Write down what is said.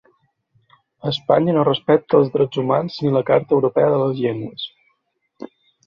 Espanya no respecta els drets humans ni la carta europea de les llengües.